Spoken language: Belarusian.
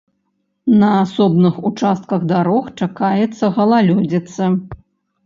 На асобных участках дарог чакаецца галалёдзіца.